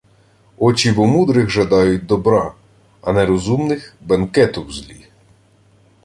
Очі-бо мудрих жадають добра, а нерозумних – бенкету в злі.